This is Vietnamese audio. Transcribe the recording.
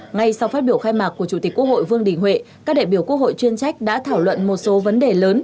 ngay sau phát biểu khai mạc của chủ tịch quốc hội vương đình huệ các đại biểu quốc hội chuyên trách đã thảo luận một số vấn đề lớn